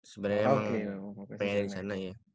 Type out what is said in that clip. sebenernya emang pengen di sana ya